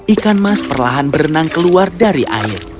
ikan mas perlahan berenang keluar dari air